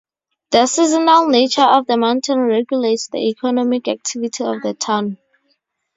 The seasonal nature of the mountain regulates the economic activity of the town.